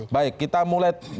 baik kita mulai